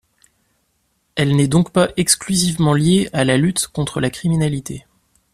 Elle n'est donc pas exclusivement liée à la lutte contre la criminalité.